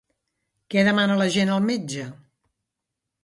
Què demana la gent al metge?